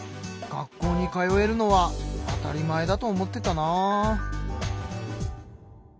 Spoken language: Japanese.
学校に通えるのは当たり前だと思ってたな。